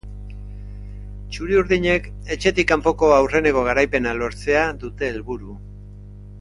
Txuri-urdinek etxetik kanpoko aurreneko garaipena lortzea dute helburu.